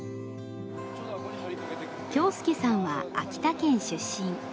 郷佑さんは秋田県出身。